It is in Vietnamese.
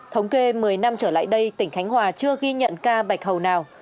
thống kê một mươi năm trở lại đây tỉnh khánh hòa chưa ghi nhận ca bạch hầu nào